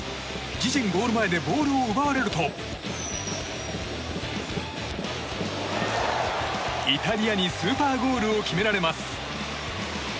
自陣ゴール前でボールを奪われるとイタリアにスーパーゴールを決められます。